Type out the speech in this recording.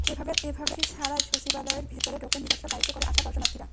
এভাবে তল্লাশি ছাড়াই সচিবালয়ের ভেতরে ঢোকেন নিজস্ব গাড়িতে করে আসা দর্শনার্থীরা।